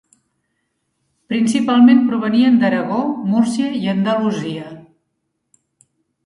Principalment provenien d'Aragó, Múrcia i Andalusia.